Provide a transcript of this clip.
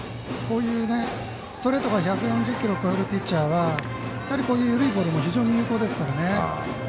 こういうストレートが１４０キロを超えるピッチャーはこういう緩いボールも非常に有効ですからね。